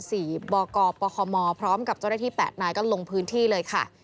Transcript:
ศรีบกปคมพร้อมกับเจ้าแรกที่๘นายก็ลงพื้นที่เลยค่ะ